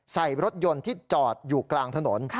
ใส่รถยนต์ที่จอดอยู่กลางถนน